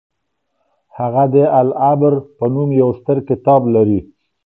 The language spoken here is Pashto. هغه د العبر په نوم يو ستر کتاب لري.